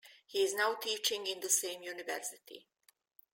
He is now teaching in the same university.